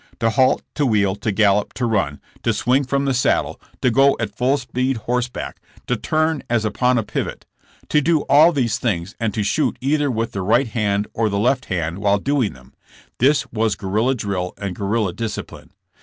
To halt, to wheel, to gallop, to run, to swing from the saddle, JESSE JAMES AS A GUERRILLA. 47 to go at full speed horseback, to turn as upon a pivot — to do all these things and to shoot either with the right hand or the left while doing them — this was guerrilla drill and guerrilla discipline.